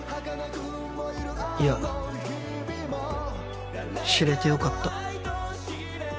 いや知れてよかった。